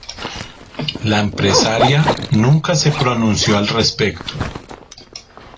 La empresaria nunca se pronunció al respecto.